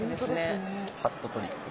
ハットトリック！